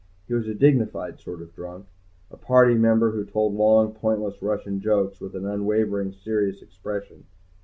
He was a dignified sort of drunk, a Party member who told long, pointless Russian jokes with an unwavering, serious expression.